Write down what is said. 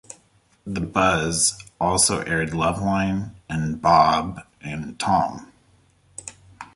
The Buzz also aired Loveline and Bob and Tom.